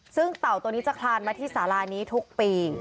ซึ่งเต่าตัวนี้จะคลานมาที่สารานี้ทุกปี